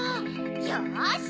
よし！